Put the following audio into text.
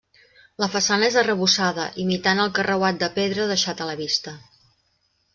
La façana és arrebossada imitant el carreuat de pedra deixat a la vista.